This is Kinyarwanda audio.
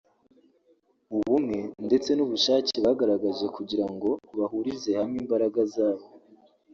ubumwe ndetse n’ubushake bagaragaje kugira ngo bahurize hamwe imbaraga zabo